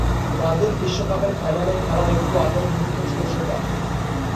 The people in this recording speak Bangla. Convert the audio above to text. ব্রাজিল বিশ্বকাপের ফাইনাল খেলার একটু আগের মুহূর্ত ছিল সেটা।